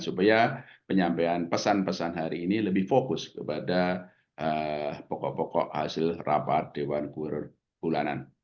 supaya penyampaian pesan pesan hari ini lebih fokus kepada pokok pokok hasil rapat dewan kur bulanan